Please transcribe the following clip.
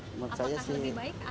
menurut saya sih